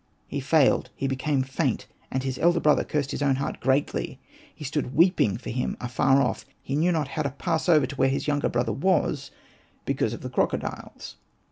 He failed ; he became THE CANAL OF RA faint ; and his elder brother cursed his own heart greatly ; he stood weeping for him afar ofi^; he knew not how to pass over to where his younger brother was, because of the crocodiles.